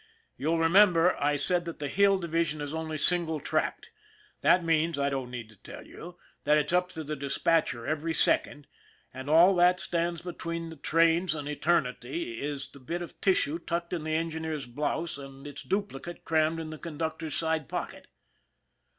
You'll remember I said that the Hill Division is only single tracked. That means, I don't need to tell you, that it's up to the dispatcher every sec ond, and all that stands between the trains and eternity is the bit of tissue tucked in the engineer's blouse and its duplicate crammed in the conductor's side pocket.